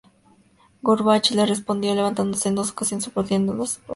Gorbachov le respondió levantándose en dos ocasiones, aplaudiendo y dando su aprobación.